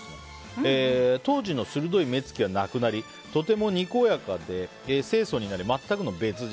当時の鋭い目つきはなくなりとてもにこやかで清楚になり、全くの別人。